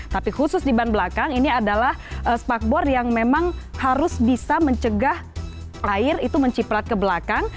tapi khusus di ban belakang ini adalah sparkboard yang memang harus bisa mencegah air itu menciprat ke belakang